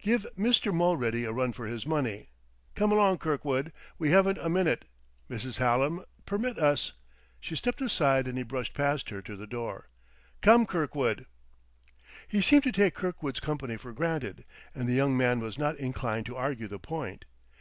"Give Mister Mulready a run for his money. Come along, Kirkwood; we haven't a minute. Mrs. Hallam, permit us...." She stepped aside and he brushed past her to the door. "Come, Kirkwood!" He seemed to take Kirkwood's company for granted; and the young man was not inclined to argue the point.